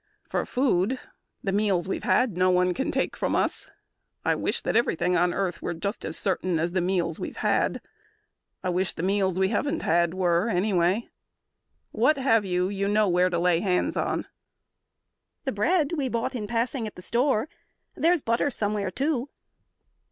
"For food The meals we've had no one can take from us. I wish that everything on earth were just As certain as the meals we've had. I wish The meals we haven't had were, anyway. What have you you know where to lay your hands on?" "The bread we bought in passing at the store. There's butter somewhere, too."